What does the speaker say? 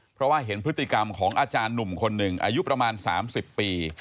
เพราะว่าเห็นพฤติกรรมของอาจารย์หนุ่มคนหนึ่งอายุประมาณ๓๐ปี